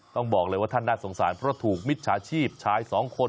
ต้องบอกเลยว่าท่านน่าสงสารเพราะถูกมิจฉาชีพชายสองคน